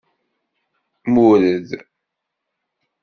Mured.